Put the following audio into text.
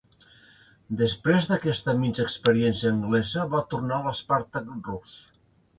Després d'aquesta minsa experiència anglesa va tornar a l'Spartak rus.